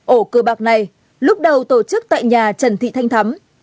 ổ cơ bạc này lúc đầu tổ chức tại nhà trần thị thanh thắm